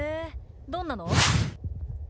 どんなの？